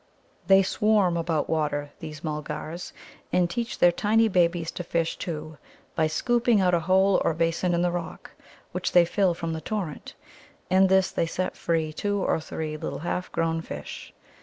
They swarm about water, these Mulgars, and teach their tiny babies to fish, too, by scooping out a hole or basin in the rock, which they fill from the torrent. In this they set free two or three little half grown fish.